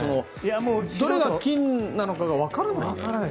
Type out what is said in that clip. どれが金なのかが分からない。